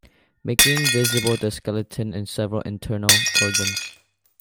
Making visible the skeleton and several internal organs.